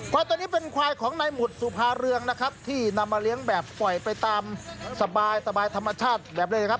ตัวนี้เป็นควายของนายหมุดสุภาเรืองนะครับที่นำมาเลี้ยงแบบปล่อยไปตามสบายธรรมชาติแบบเลยนะครับ